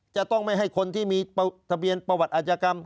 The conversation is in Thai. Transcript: จะต้องไม่ให้คนที่มีทะเบียนประวัติอาชญากรรม